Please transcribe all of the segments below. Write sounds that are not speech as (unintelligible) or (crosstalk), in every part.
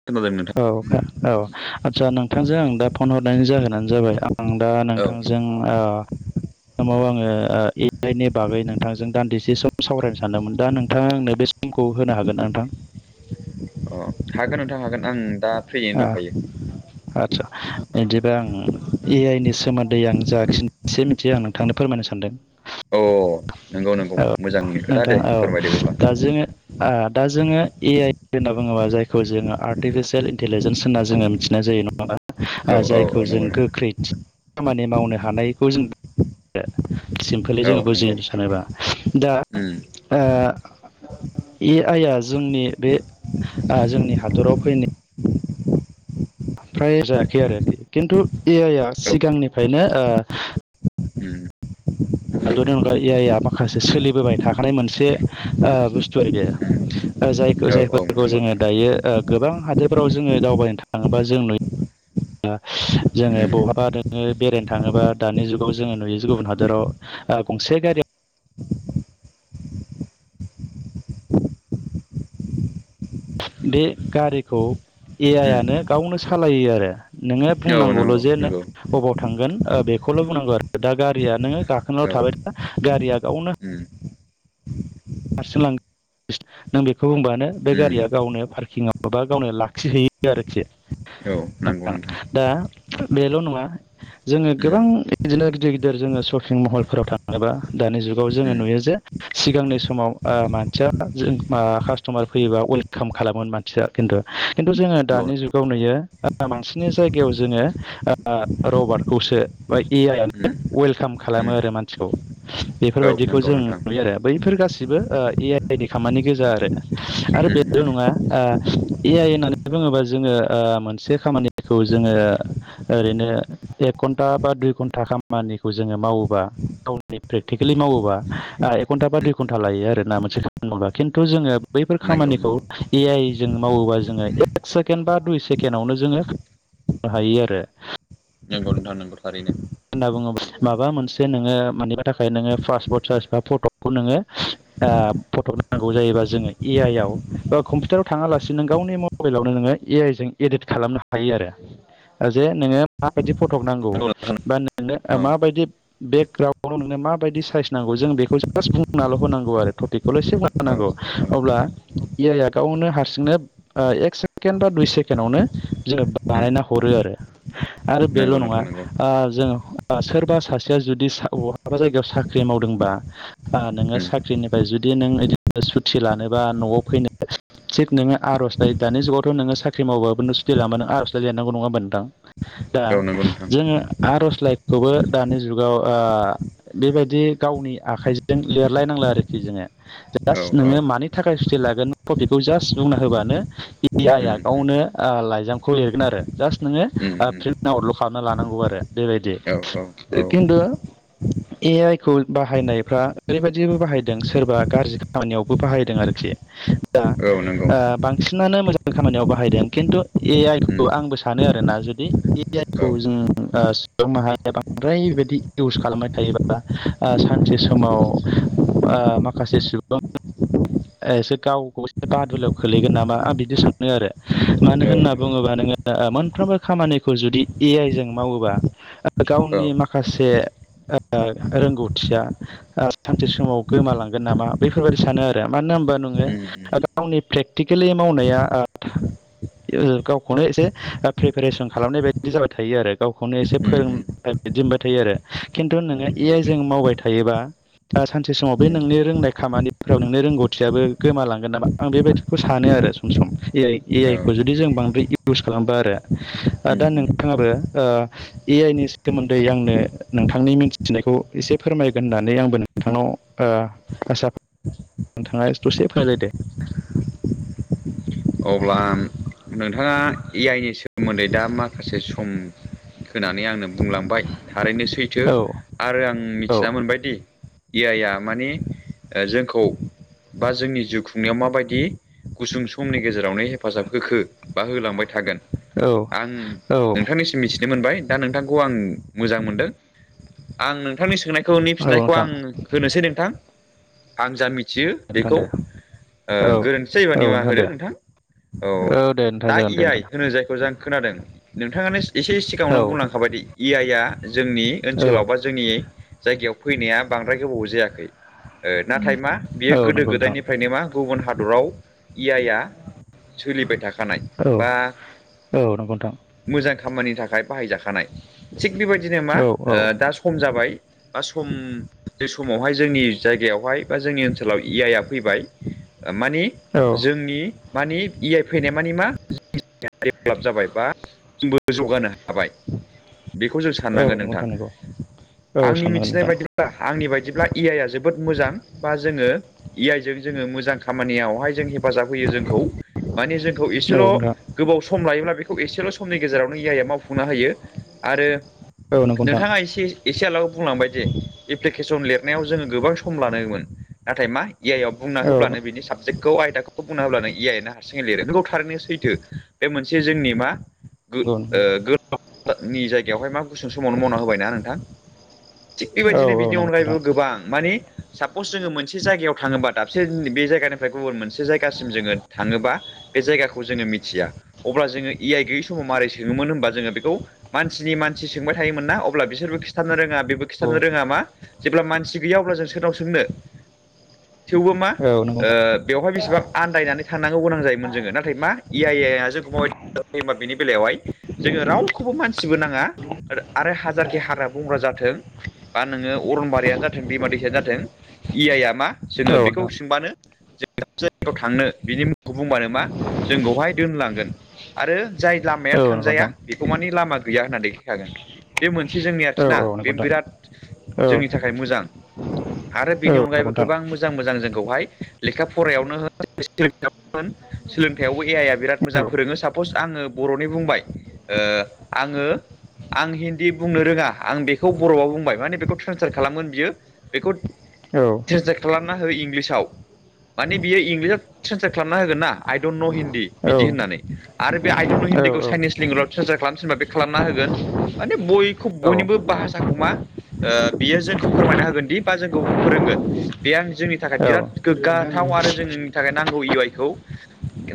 (unintelligible) औ औ आच्सा नोंथांजों आं दा फन हरनायनि जाहोनानो जाबाय आं दा औ नोंथांजों ओ समाव आंङो ए आइ नि बागै नोंथांजों दान्दिसे सम सावरायनो सानदोंमोन दा नोंथाङा आंनो बे समखौ होनो हागोन ना नोंथां अ हागोन नोंथां हागोन आं दा फ्रियैनो आ दंखायो आदसा बिदिब्ला आं ए आइ नि सोमोन्दै आं जााखिनसे मिथियो आं नोंथांनो फोरमायनो सानदों अ नंगौ नोंगौ औ मोजांनि खोथा नोंथां दे औ फोरमायदो अब्ला दा जोङो दा जोङो ए आइ होनना बुङोबा जायखौ जोङो आर्टिफिसियेल इन्टेलिजेन्स होनना जोङो मिथिनाय जायो औ नङा औ औ जायखौ जों नंगौ गोख्रै खामानि मावनो हानायखौ जों सिम्फोलै नोंथां औ जोङो नंगौ बुजिनो सानोबा दा उम ए आइ आ जोंनि बे जोंनि हादराव फैनाय फ्राय जायाखै आरोखि खिन्थु ए आइआ औ उम सिगांनिफ्रायनो उम हादरनि अनगा ए आइ आ माखासे सोलिबोबाय थाखानाय मोनसे बुस्थु आरोखि जायखौ औ औ जायफोरखौ नंगौ जोङो नोंथां दायो गोबां हादोरफ्राव जोङो दावबायनो थाङोबा जों नुयो जोङो उम बहाबा नोङो बेरायनो थाङोबा दानि जुगाव जोङो नुयो जे गुबुन हादराव गंसे गारि बे गारिखौ ए उम आइआनो गावनो सालायो आरो नोङो औ बुंनांगौल' नंगौ जे नंगौ अबाव थांगोन बेखौल' बुंनांगौ आरो दा गारिया नोङो गाखोनाल' थाबाय था गारिया गावनो ओम हारसिं लांगोन नों बेखौ बुंबानो बे नंगौ गारिया गावनो पार्किंआव माबा गावनो लाखिहैयो आरोखि नोंथां दा बेल' नङा जोङो गोबां उम बिदिनो गिदिर गिदिर जोङो सपिं महलफोराव थाङोबा दानि जुगाव जोङो नुयो उम जे सिगांनि समाव मानसिया कास्टमार फैयोबा वेलकाम खालामो मानसिया खिन्थु खिन्थु जोङो दानि जुगाव नुयो बांसिननि जायगायाव जोङो रबार्टखौसो बा ए आइयनो नंगौ उम वेलकाम खालामो आरो मानसिखौ औ बेफोरबायदिखौ नंगौ जों नोंथां नुयो आरो बैफोर गासिबो ए आइ नि खामानि गोजा आरो आरो उम बेल' उम नङा ए आइ होननानै बुङोबा जोङो मोनसे खामानिखौ जोङो ओरैनो एक घन्टा बा दुइ घन्टा खामानिखौ जोङो मावोबा प्रेक्टिकेलि मावोबा एक घन्टा बा गन्था लायो आरोना मोनसे खामानि मावब्ला खिन्थु जोङो बैफोर नंगौ खामानिखौ नंगौ ए आइ जों मावोबा जोङो एक सेकेण्ड बा दुइ सेकेण्डआवनो जोङो हायो आरो नंगौ नोंथां नंगौ थारैनो होनना बुङोबा माबा मोनसे नोङो मानिबा थाखाय नोङो पासपर्ट साइज बा फट' खौ नोङो फट' नांगौ जायोबा जोङो ए आइ आव बा कम्पिउटाराव थाङालासे नों गावनि मबाइलावनो नोङो ए आइ जों एडिट खालामनो हायो आरो जे नोङो माबायदि फटक नांगौ नंगौ नोंथां बा नोंनो औ माबायदि बेकग्राउन्डआव नोंनो माबायदि साइस नांगौ जों बेखौ जास्ट बुंनाल' होनांगौ आरो टपिकखौल' एसे औ बुं गौ औ अब्ला ए आइया गावनो हारसिंनो एक सेकेण्ड बा दुइ सेकेण्डआवनो जोङो उम बानायना हरो आरो आरो नंगौ बेल' नङा नोंथां नंगौ जों सोरबा सासेया जुदि सा-बहाबा जायगायाव साख्रि मावदोंबा नोङो उम साख्रिनिफ्राय जुदि नों बिदि सुत लानोबा न'आव फैनो थिग नोङो आर'जलाइ दानि जुगावथ' नोङो साख्रि मावबाबो नु सुथि लामानो आर'जलाइ लेरनांगौ नङाम मोनोनदां दा औ नंगौ नोंथां जोङो आर'जलाइखौबो दानि जुगाव बेबायदि गावनि आखाइजों लिरलायनांला आरोखि जोङो औ जास्ट औ नोङो मानि थाखाय फुथ लागोन टपिकखौ जास्ट बुंना होबानो उम आइया उम गावनो लाइजामखौ लिरगोन आरो जास्ट नोङो उम उम फ्रि्ट आउटल'ड खालामना लानांगौ आरो बेबायदि औ औ औ खिन्थु ए आइ खौ बाहायनायफ्रा ओरैबायदिबो बाहायदों सोरबा गाज्रि खामानियावबो बाहायदों आरोखि (inaudible) दा नंगौ ओ बां बांसिनानो मोजां खामानियाव बाहायदों खिन्थु ए आइ उम खौ आंबो सानो आरोना जुदि ए आइखौ औ जोङो (unintelligible) माहायाव बांद्राय बिदि इउस खालामबाय थायोबा सानसे समाव माखासे सुबुं एसे गावखौ एसे बादलायाव खोलैगोन नामा आं बिदि सानदों आरो मानो औ होनना नंगौ बुङोबा नोङो मोनफ्रोमबो खामानिखौ जुदि ए आइ जों मावोबा औ गावनि माखासे रोंगौथिया सानसे समाव गोमालांगोन नामा बैफोरबायदि सानो आरो मानो होनबा नोङो उम उम गावनि प्रेक्टिकेलि मावनाया गावखौनो एसे प्रिपेरेसन खालामनाय बायदि जाबाय थायो आरो गावखौनो एसे उम फोरों बिदि मोनबाय थायो आरो खिन्थु औ नोङो ए नंगौ आइ जों मावबाय थायोबा सानसे समाव बे उम नोंनि रोंनाय खामानिफ्राव नों रोंगौथियाबो गोमालांगोन नामा आं बेबायदिखौ सानो आरो सम सम ए आइ ए औ आइ खौ जुदि जों बांद्राय इउस खालामबा आरो उम दा उम नोंथाङाबो ए आइ नि सोमोन्दै आंनो नोंथांनि मिथिनायखौ एसे फोरमायगोन होननानै आंबो नोंथांनाव आसा नोंथाङा दसे फोरमायलायदो अब्ला नोंथाङा ए आइ नि सोमोन्दै दा माखासे सम होनानै आंनो बुंलांबाय थारैनो सैथो औ आरो आं औ मिथिना मोनबायदि ए आइआ माने जोंखौ बा जोंनि जिउ खुंनायाव माबायदि गुसुं समनि गेजेरावनो हेफाजाब होखो बा होलांबाय थागोन औ आं औ नोंथांनि मिथिनो मोनबाय दा नोंथांखौ आं मोजां मोनदों आं नोंथांनि सोंनाय खौनि फिसिनायखौ नोंथां आं होनोसै नोंथां आं जा मिथियो नोंथां बेखौ दे औ गोरोन्थि जायोबा औ निमाहा दे होदो। नोंथां औ दे नोंथां दा जागोन दे ए आइ नोंथां होनो जायखौ जों आं खोनादों नोंथाङानो एसे औ सिगाङावनो बुंनांखाबायदि इ आइ आ जोंनि औ ओनसोलाव बा जोंनि जायगायाव फैनाया बांद्राय गोबाव जायाखै। नाथाय मा बियो औ गोदो नंगौ नोंथां गोदायनिफ्रायनो मा गुबुन हादराव ए आइआ सोलिबाय थाखानाय औ बा औ नंगौ नोंथां मोजां खामानिनि थाखाय बाहायजाखानाय थिग बेबायदिनो मा औ औ दा सम जाबाय बा सम समावहाय जोंनि जायगायावहाय बा जोंनि ओनसोलाव इ आइआ फैबाय माने औ जोंनि माने इ आइ फैनाय माने मा डेपलब जाबाय बा जोंबो जौगानो हाबाय बेखौ जों स साननांगोन नंगौ नोंथां नंगौ औ आंनि साननांगोन मिथिनाय नोंथां बायदिब्ला आंनि बायदिब्ला ए आइ आ जोबोद मोजां बा जोङो ए आइ जों जोङो मोजां खामानियावहाय जों हेफाजाब होयो जोंखौ माने जोंखौ औ एसेल' नोंथां गोबाव सम लायोब्ला बेखौ एसेल' समनि गेजेरावनो ए आइ या मावफुंना हायो आरो औ नंगौ नोंथां नोंथाङा एसे एसे आगोलाव बुंलांबाय जे एप्लिकेसन लिरनायाव जोङो गोबां सम लानोमोन नाथाय मा ए आइ आव बुंना औ होब्लानो बिनि साबजेक्टखौ आयदाखौ बुंना होब्लानो ए आइ आनो हारसिंयै लिरो नोंगौ थारैनो सैथो बे मोनसे जोंनि मा नंगौ नि जायगायावहाय मा गुसुं समावनो मावना होबायना नोंथां? थिग नंगौ औ बेबायदिनो औ बिनि नंगौ नोंथां अनगायैबो गोबां मानि सापस जोङो मोनसे जायगायाव थाङोबा दाबसे बे जायगानिफ्राय गुबुन मोनसे जायगासिम जोङो थाङोबा बे जायगाखौ जोङो मिथिया अब्ला जोङो ए आइ गैयै समाव मारै सोङोमोन होनबा जोङो बेखौ मानसिनि मानसि सोंबाय थायोमोन ना अब्ला बिसोरबो खिथानो रोङा बेबो औ खिथानो रोङा मा जेब्ला मानसि गैया अब्ला जों सोरनाव सोंनो थेवबो मा औ नंगौ नोंथां औ नोंथां औ नंगौ नोंथां औ नंगौ नोंथां औ नंगौ नोंथां औ नंगौ नोंथां औ नंगौ नोंथां नंगौ नोंथां औ नोंथां औ नंगौ नोंथां नंगौ औ बेवहाय बेसेबां आन्दायनानै थांनांगौ गोनां जायोमोन जोङो नाथाय मा ए आइ आ जों माबायदियै हेफाजाब होयो होमबा बेनि बेलायावहाय जोङो रावखौबो मानसिबो नाङा आरो हाजारखि हाग्रा बंग्रा जाथों बा नोङो अरनबारियानो जाथों दैमा दैसायानो जाथों ए आइआ मा जोङो बेखौ सोंबानो जों दाबसे जायगायाव थांनो बिनि मुंखौ बुंबानो मा जोंखौहाय दोनलांगोन आरो जाय लामाया थांजाया औ बे खौ मानि लामा गैया होन्ना देखाय खागोन। बे मोनसे जोंनि आरोखि ना बे बिराद जोंनि थाखाय मोजां। आरो बेनि अनगायैबो गोबां मोजां मोजां जोंखौहाय लेखा फरायावनो (unintelligible) सोलोंथाइयावबो ए आइ आ बिराद मोजां फोरोङो सापस आङो बर'नि बुंबाय आङो आं हिन्दी बुंनो रोङा आं बेखौ बर'आव बुंबाय माने बेखौ ट्रेन्सलेट खालामगोन बियो बेखौ ट्रेन्सलेट खालामना हो इंलिसाव माने बियो इंलिसाव ट्रेन्सलेट खालामना होगोना आइ डन्ट न' हिन्दी बिदि होननानै आरो बे आइ डन्ट न' हिन्दीखौ चाइनिस लेंगुवेजाव ट्रेन्सलेट खालामनो थिनबा बे खालामना होगोन माने बयखौ बयनिबो भाषाखौ मा बियो जोंखौ फोरमायना होगोनदि बा जोंखौ फोरोंगोन बे आं जोंनि थाखाय बिराद गोग्गाथाव आरो जोंनि नि थाखाय नांगौ ए आइ खौ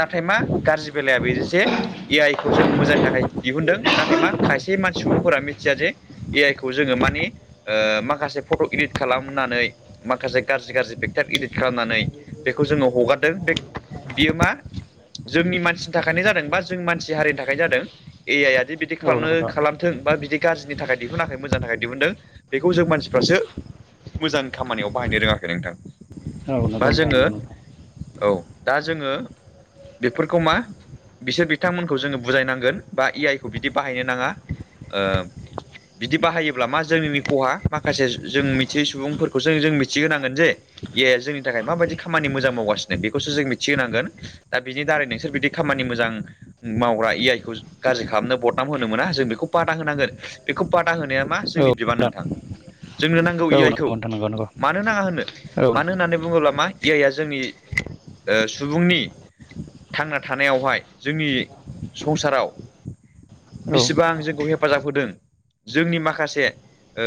नाथाय मा गाज्रि बेलाया बेनोजे ए आइ खौ जों मोजां थाखाय दिहुनदों नाथाय मा खायसे मानसि सुबुंफोरा मिथिया जे ए आइ खौ जोङो मानि माखासे फट' इदिट खालामनानै माखासे गाज्रि गाज्रि पिक्सार इदिट खालामनानै बेखौ जोङो हगारदों बे बियो मा जोंनि मानसिनि थाखायनो जादों बा जों मानसि हारिनि थाखायनो जादों। ए आइ आदि बिदि खालामनो खालामथों बा बिदि गाज्रिनि थाखाय दिहुनाखै मोजांनि थाखाय दिहुुनदों। बेखौ जों मानसिफ्रासो मोजां खामानियाव बाहायनो रोङाखै नोंथां बा जोङो औ दा जोङो बेफोरखौ मा बिसोर बिथांमोनखौ जोङो बुजायनांगोन बा ए आइ खौ बिदि बाहायनो नाङा बिदि बाहायोब्ला मा जोंनिनो खहा माखासे जों मिथियै सुबुंफोरखौसो जों मिथिहोनांगोन जे ए आइ जोंनि थाखाय माबायदि खामानि मोजां मावगासिनो बेखौसो जों मिथिहोनांगोन दा बिनि दारै नोंसोर बिदि खामानि मोजां मावग्रा ए आइ खौ गाज्रि खालामनो बदनाम होनो मोना जों बेखौ बादा होनांगोन बेखौ बादा होनाया मा जोंनि बिबान नोंथां जोंनो नांगौ ए आइ खौ मानो नाङा होननो मानो होननानै बुङोब्ला मा ए आइ आ जोंनि सुबुंनि थांना थानायावहाय जोंनि संसाराव बिसिबां जोंखौ हेफाजाब होदों जोंनि माखासे ओ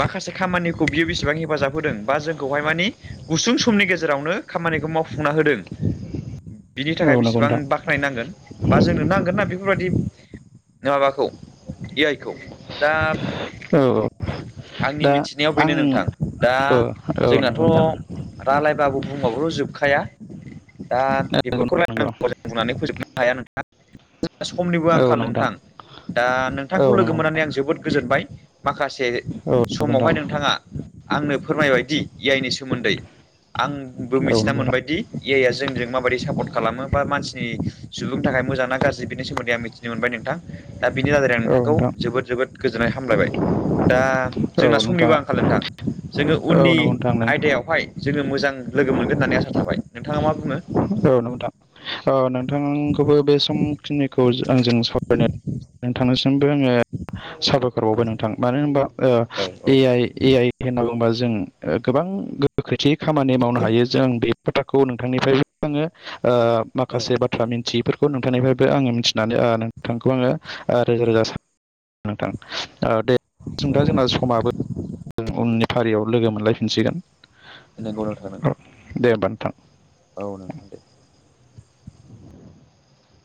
माखासे खामानिखौ बियो बेसेबां हेफाजाब होदों बा जोंखौहाय मानि गुसुं समनि गेजेरावनो खामानिखौ मावफुंना होदों बिनि थाखाय औ नंगौ बेसेबां नोंथां बाख खानायनांगोन बा जोंनो नांगोन ना बेफोरबायदि माबाखौ ए आइ खौ दा औ आंनि दा मिथिनायाव आं बेनो नोंथां दा औ औ जोंनाथ' नंगौ नोंथां रायलायबाबो बुंबाबो जोबखाया दा नंगौ बेफोरखौ नंगौ रायलायनांगौ बुंनानै फोजोबनो हाया नों थां समनिबो औ नंगौ आंखाल नोंथां दा नोंथांखौ औ लोगो नंगौ मोननानै आं जोबोद गोजोनबाय माखासे औ समावहाय नोंथाङा आंनो फोरमायबाय दि ए आइनि सम सोमोन्दै आंबो नंगौ मिथिना नोंथां मोनबायदि ए आइआ जोंजों माबायदि सापर्ट खालामो बा मानसिनि सुबुंनि थाखाय मोजां ना गाज्रि बेनि सोमोन्दै आं मिथि ननो मोनबाय नोंथां दा बिनि दादै आं औ नंगौ नोंथांखौ नोंथां जोबोद जोबोद गोजोननाय हामलायबाय। दा जोंना समनिबा आंखाल नोंथां। जोङो औ नोंथां औ उननि नंगौ नोंथां नोंथां आयदायावहाय जोङो मोजां लोगो मोनगोन होननानै आसा थाबाय। नोंथाङा मा बुङो? औ नोंथां औ नोंथांखौबो बे समखिनिखौ आंजों सावरायनो थांनो आङो साबायखरबावबाय नोंथां मानो होनबा औ औ ए आइ ए आइ होनना बुङोबा जों गोबां गोख्रैथिनि खामानि मावनो हायो जों बे खोथाखौ नोंथांनिफ्राय आङो ओ माखासे बा थ्रा मिन्थियैफोरखौ नोंथांनिफ्रायबो आङो मिथिनानै नोंथांखौ आङो रोजा रोजा सान नोंथां औ दे औ जोंदा जोंना समाबो जों उननि फारियाव लोगो मोनलायफिनसिगोन। नंगौ नोथां नंगौ दे होमबा नोंथां। औ नोंथां दे।